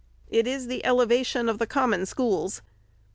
It is the elevation of the Common Schools.